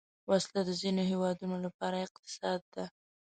وسله د ځینو هیوادونو لپاره اقتصاد ده